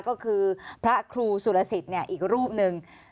ก็คือพระครูสุรสิทธิ์อีกรูปหนึ่ง